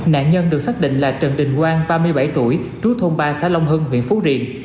nạn nhân được xác định là trần đình quang ba mươi bảy tuổi trú thôn ba xã long hưng huyện phú riềng